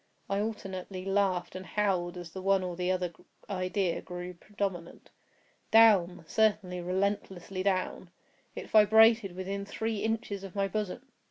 I alternately laughed and howled as the one or the other idea grew predominant. Down—certainly, relentlessly down! It vibrated within three inches of my bosom!